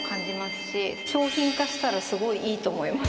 商品化したらすごいいいと思います。